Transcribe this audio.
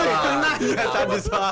kan lu yang tanya tadi soalnya